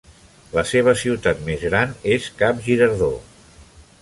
La seva ciutat més gran és Cape Girardeau.